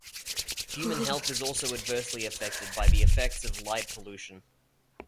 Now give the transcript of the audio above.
Human health is also adversely affected by the effects of light pollution.